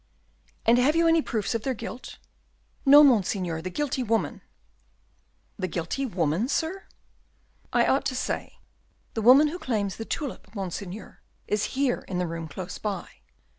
"And have you any proofs of their guilt?" "No, Monseigneur, the guilty woman " "The guilty woman, Sir?" "I ought to say, the woman who claims the tulip, Monseigneur, is here in the room close by."